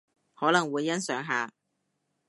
可能會欣賞下